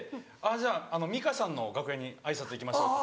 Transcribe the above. じゃあ美香さんの楽屋に挨拶行きましょうって。